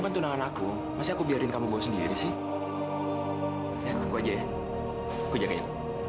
kan tunangan aku masih aku biarin kamu sendiri sih aku aja aku jangan